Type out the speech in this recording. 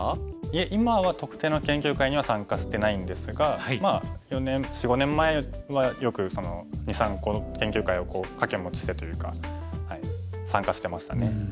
いえ今は特定の研究会には参加してないんですが４５年前はよく２３個研究会を掛け持ちしてというか参加してましたね。